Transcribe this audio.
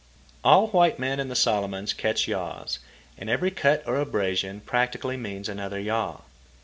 All white men in the Solomons catch yaws, and every cut or abrasion practically means another yaw.